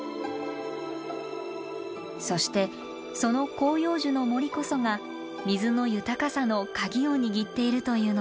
そしてその広葉樹の森こそが水の豊かさの鍵を握っているというのです。